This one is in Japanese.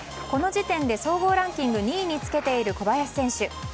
この時点で総合ランキング２位につけている小林選手。